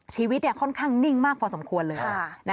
ชีวิตค่อนข้างนิ่งมากพอสมควรเลย